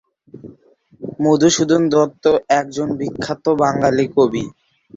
মধুসূদন দত্ত একজন বিখ্যাত বাঙালি কবি।